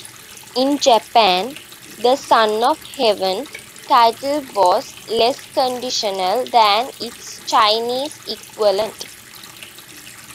In Japan, the Son of Heaven title was less conditional than its Chinese equivalent.